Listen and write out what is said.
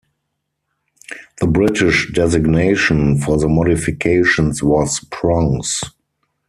The British designation for the modifications was Prongs.